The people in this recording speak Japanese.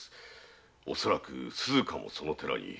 恐らく鈴加もその寺に。